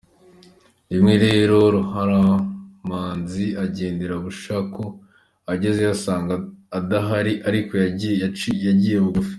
Rimwe rero Ruhararamanzi agenderera Bushaku; agezeyo asanga adahari ariko yagiye bugufi.